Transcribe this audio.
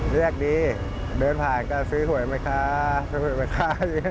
เรียกดีเดินผ่านกันซื้อข่วยไหมคะ